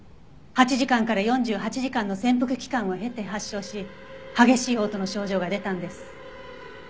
８時間から４８時間の潜伏期間を経て発症し激しい嘔吐の症状が出たんです。